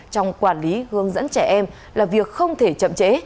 trong quản lý hướng dẫn trẻ em là việc không thể chậm chế